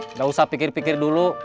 nggak usah pikir pikir dulu